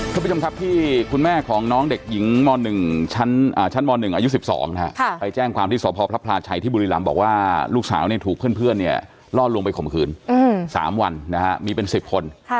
คุณผู้ชมครับที่คุณแม่ของน้องเด็กหญิงม๑ชั้นม๑อายุ๑๒ไปแจ้งความที่สพพระพลาชัยที่บุรีรำบอกว่าลูกสาวเนี่ยถูกเพื่อนเนี่ยล่อลวงไปข่มขืน๓วันนะฮะมีเป็น๑๐คน